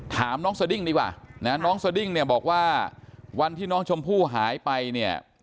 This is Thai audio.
ถามน้องสดิ้งดีกว่านะน้องสดิ้งเนี่ยบอกว่าวันที่น้องชมพู่หายไปเนี่ย